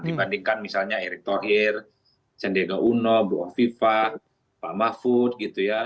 dibandingkan misalnya erik thohir sandiaga uno buah viva pak mahfud gitu ya